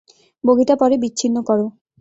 বগিটা পরে বিচ্ছিন্ন করো!